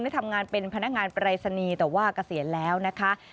ทำงานเป็นพนักงานปรายศนีย์แต่ว่าเกษียณแล้วนะคะ